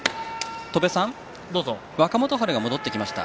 若元春が戻ってきました。